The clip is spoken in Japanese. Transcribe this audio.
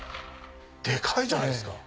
デカいじゃないですか。